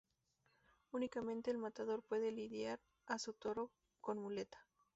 Únicamente el matador puede lidiar a su toro con muleta.